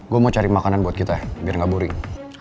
gue mau cari makanan buat kita biar gak boring